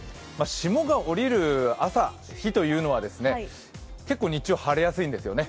霜がおりる朝、日というのは結構日中晴れやすいんですよね。